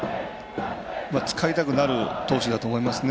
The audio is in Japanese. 使いたくなる投手だと思いますね。